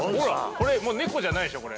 これ猫じゃないでしょこれ。